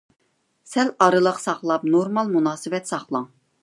سەل ئارىلىق ساقلاپ، نورمال مۇناسىۋەت ساقلاڭ.